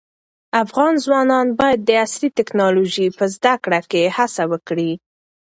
افغان ځوانان باید د عصري ټیکنالوژۍ په زده کړه کې هڅه وکړي.